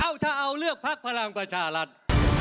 เอาถ้าเอาเลือกพักพลังประชาลันทร์